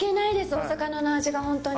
お魚の味が、本当に。